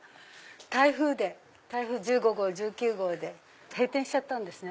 台風で台風１５号１９号で閉店しちゃったんですね。